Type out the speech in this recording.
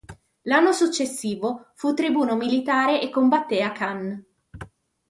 L'anno successivo fu tribuno militare e combatté a Canne.